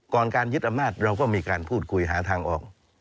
การยึดอำนาจเราก็มีการพูดคุยหาทางออก